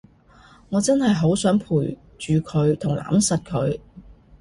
我真係好想陪住佢同攬實佢